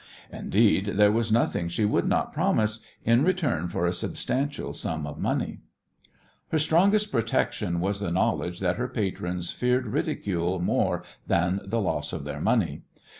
Indeed, there was nothing she would not promise in return for a substantial sum of money. Her strongest protection was the knowledge that her patrons feared ridicule more than the loss of their money.